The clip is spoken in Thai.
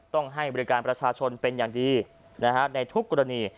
ต้องให้บริการประชาชนเป็นอย่างดีในทุกกรณี